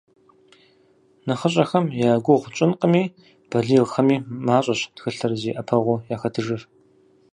НэхъыщӀэхэм я гугъу тщӀынкъыми, балигъхэми мащӀэщ тхылъыр зи Ӏэпэгъуу яхэтыжыр.